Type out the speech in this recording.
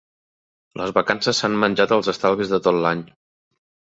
Les vacances s'han menjat els estalvis de tot l'any.